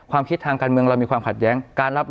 ความคิดทางการเมืองเรามีความขัดแย้ง